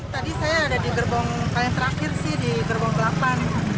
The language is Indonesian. tadi saya ada di gerbong paling terakhir sih di gerbong delapan